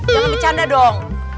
jangan bercanda dong